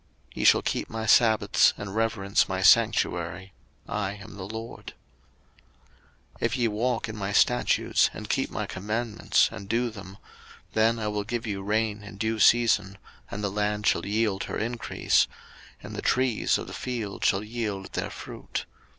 03:026:002 Ye shall keep my sabbaths, and reverence my sanctuary: I am the LORD. 03:026:003 If ye walk in my statutes, and keep my commandments, and do them; 03:026:004 Then I will give you rain in due season, and the land shall yield her increase, and the trees of the field shall yield their fruit.